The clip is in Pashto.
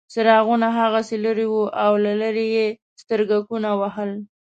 څراغونه هماغسې لرې وو او له لرې یې سترګکونه وهل.